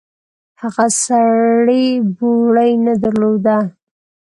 هغه سړي بوړۍ نه درلوده.